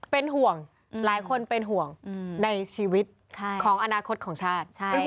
เป็นห่วงหลายคนเป็นห่วงในชีวิตของอนาคตของชาติ